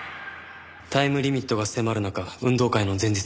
タイムリミットが迫る中運動会の前日に学会が。